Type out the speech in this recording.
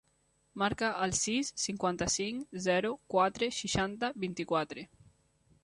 Marca el sis, cinquanta-cinc, zero, quatre, seixanta, vint-i-quatre.